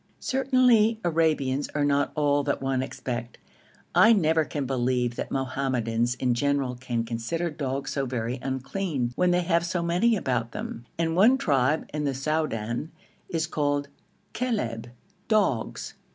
Certainly Arabians are not all that one expect. I never can believe that Mohammedans in general can consider dogs so very unclean, when they have so many about them, and one tribe in the Soudan is called Kilab (dogs).